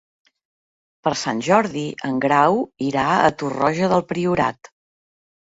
Per Sant Jordi en Grau irà a Torroja del Priorat.